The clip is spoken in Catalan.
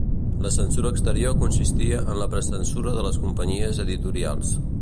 La censura exterior consistia en la precensura de les companyies editorials.